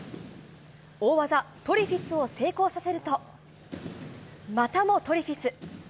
大技、トリフィスを成功させると、またもトリフィス。